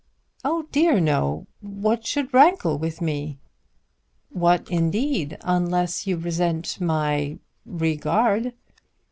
"Oh dear no. What should rankle with me?" "What indeed; unless you resent my regard."